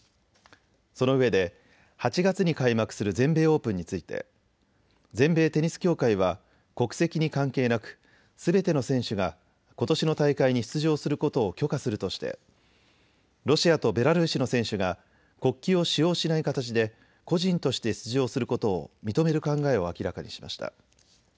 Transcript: そのうえで８月に開幕する全米オープンについて全米テニス協会は国籍に関係なくすべての選手がことしの大会に出場することを許可するとして、ロシアとベラルーシの選手が国旗を使用しない形で個人として出場することを認める考えを明らかにしました。